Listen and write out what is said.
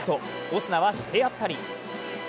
オスナは、してやったり。